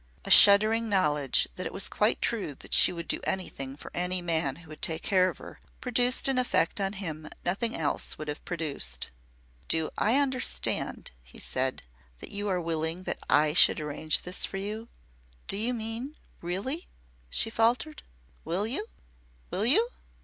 A shuddering knowledge that it was quite true that she would do anything for any man who would take care of her produced an effect on him nothing else would have produced. "Do I understand," he said, "that you are willing that I should arrange this for you?" "Do you mean really?" she faltered. "Will you will you